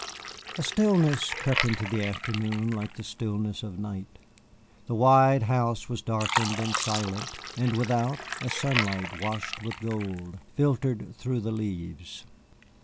A stillness crept into the afternoon like the stillness of night. The wide house was darkened and silent, and without a sunlight washed with gold filtered through the leaves.